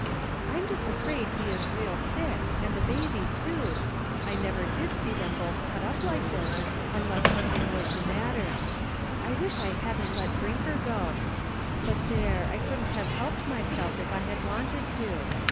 I'm just afraid he is real sick, and the baby, too ; I never did see them both cut up like this unless something was the matter^ I wish I hadn't let Brinker go ! But NIGHT WORK. 115 there, I couldn't have helped myself if I had wanted to.